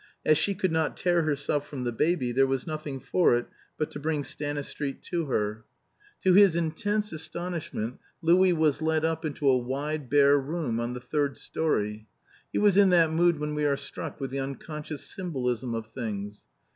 As she could not tear herself from the baby, there was nothing for it but to bring Stanistreet to her. To his intense astonishment Louis was led up into a wide bare room on the third story: He was in that mood when we are struck with the unconscious symbolism of things.